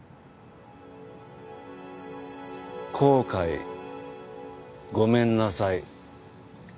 「後悔」「ごめんなさい」。